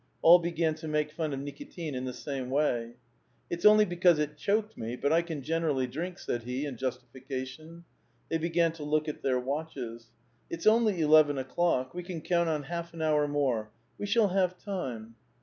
All began to make fdn of Nlkitin in the same way. •"'It's only because it choked me, but I can generally drink," said he, in justification. They began to look at their watches. *' It's only eleven o'clock; we can count on half an hour more ; we shall have time."